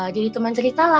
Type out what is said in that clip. jadi teman cerita